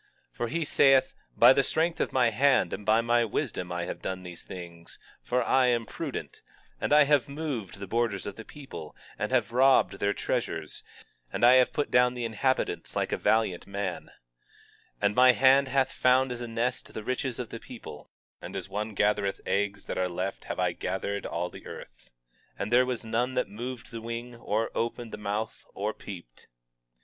20:13 For he saith: By the strength of my hand and by my wisdom I have done these things; for I am prudent; and I have moved the borders of the people, and have robbed their treasures, and I have put down the inhabitants like a valiant man; 20:14 And my hand hath found as a nest the riches of the people; and as one gathereth eggs that are left have I gathered all the earth; and there was none that moved the wing, or opened the mouth, or peeped.